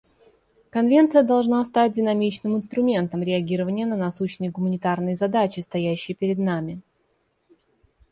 Конвенция должна стать динамичным инструментом реагирования на насущные гуманитарные задачи, стоящие перед нами.